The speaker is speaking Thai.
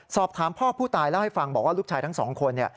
สอบถามพ่อผู้ตายเล่าให้ฟังบอกว่าลูกชายทั้งสองคน